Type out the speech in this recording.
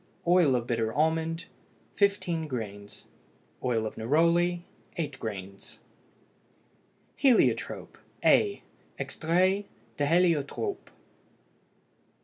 Oil of bitter almond 15 grains. Oil of neroli 8 grains. HELIOTROPE, A (EXTRAIT DE HÉLIOTROPE).